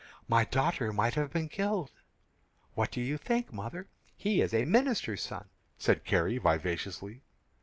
My daughter might have been killed." "What do you think, mother? He is a minister's son," said Carrie, vivaciously.